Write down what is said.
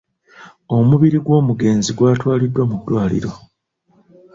Omubiri gw'omugenzi gwatwaliddwa mu ddwaliro.